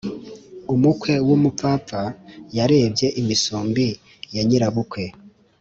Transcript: Umukwe w’umupfapfa yarebye imisumbi ya nyirabukwe.